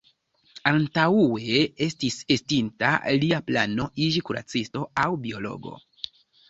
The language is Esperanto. Antaŭe estis estinta lia plano iĝi kuracisto aŭ biologo.